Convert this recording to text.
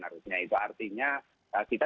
harusnya itu artinya kita